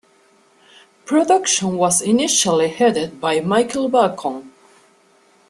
Production was initially headed by Michael Balcon.